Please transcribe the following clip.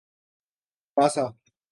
باسا